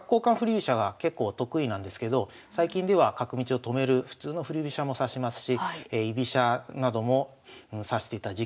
飛車が結構得意なんですけど最近では角道を止める普通の振り飛車も指しますし居飛車なども指してた時期もありました。